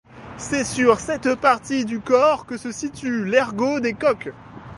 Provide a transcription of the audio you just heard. C'est sur cette partie du corps que se situe l'ergot des coqs.